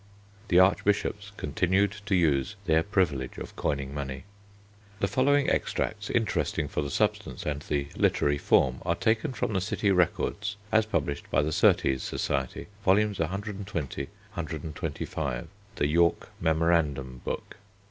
The archbishops continued to use their privilege of coining money. The following extracts, interesting for the substance and the literary form, are taken from the city records as published by the Surtees Society, vols. 120, 125, "The York Memorandum Book."